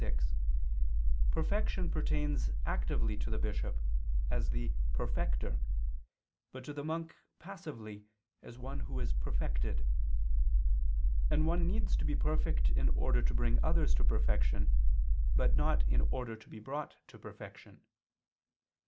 vi), perfection pertains actively to the bishop, as the "perfecter," but to the monk passively as one who is "perfected": and one needs to be perfect in order to bring others to perfection, but not in order to be brought to perfection.